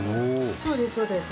そうです、そうです。